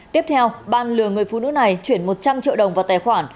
tiếp theo ban lừa người phụ nữ này chuyển một trăm linh triệu đồng vào tài khoản